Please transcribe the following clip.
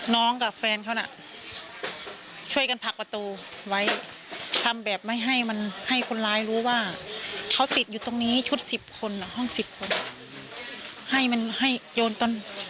น้องกับแฟนเขาน่ะช่วยกันผลักประตูไว้ทำแบบไม่ให้คนร้ายรู้ว่าเขาติดอยู่ตรงนี้ชุด๑๐คนห้อง๑๐คน